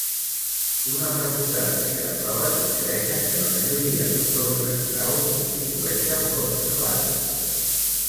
Una preponderància de proves suggereixen que la majoria dels ordres d'aus constitueixen bons clades.